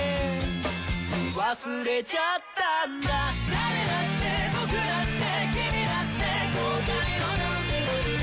「誰だって僕だって君だって後悔を飲み干して」